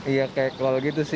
iya kayak kalau gitu sih